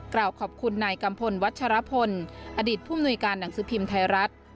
กล่าวขอบคุณนายกัมพลวัชรพลอดีตผู้มนุยการหนังสือพิมพ์ไทยรัฐ